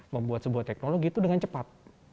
membuat sebuah teknologi itu dengan cepat